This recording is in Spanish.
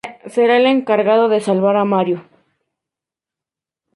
Será el encargado de salvar a Mario.